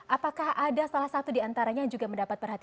apakah ada salah satu di antaranya yang juga mendapatkan peningkatan